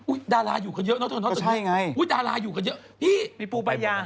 อุ๊ยดาราอยู่กันเยอะนะตอนนี้อุ๊ยดาราอยู่กันเยอะพี่ปูปายา